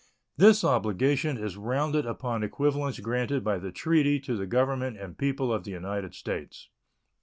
This obligation is rounded upon equivalents granted by the treaty to the Government and people of the United States.